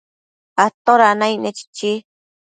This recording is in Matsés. ¿toda naicne?chichi